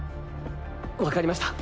わかりました。